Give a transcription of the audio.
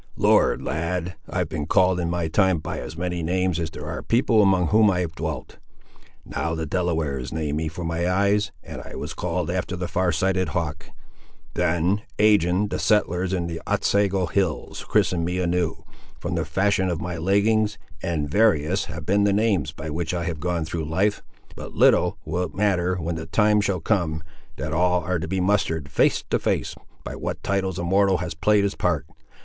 "Lord, lad, I've been called in my time by as many names as there are people among whom I've dwelt. Now the Delawares nam'd me for my eyes, and I was called after the far sighted hawk. Then, ag'in, the settlers in the Otsego hills christened me anew, from the fashion of my leggings; and various have been the names by which I have gone through life; but little will it matter when the time shall come, that all are to be muster'd, face to face, by what titles a mortal has played his part!